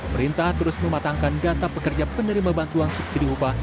perintah terus mematangkan data pekerja penerima bantuan subsidi upah